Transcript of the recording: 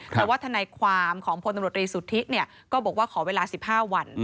แต่ว่าทนายความของพลตำรวจรีสุทธิก็บอกว่าขอเวลา๑๕วัน